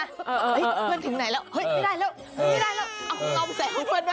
เห้ยพี่เพื่อนถึงไหนแล้วเห้ยไม่ได้แล้วเอางัมแสงของเพื่อนเว้ย